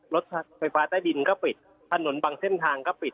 รถไฟฟ้าใต้ดินก็ปิดถนนบางเส้นทางก็ปิด